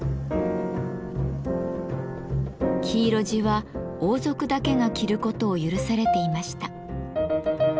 黄色地は王族だけが着ることを許されていました。